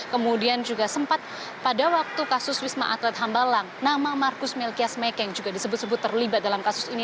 kemudian juga sempat pada waktu kasus wisma atlet hambalang nama marcus melkias mekeng juga disebut sebut terlibat dalam kasus ini